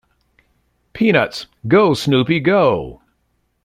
Peanuts: Go Snoopy Go!